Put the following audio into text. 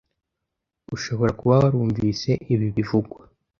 Ushobora kuba warumvise ibi bivugwa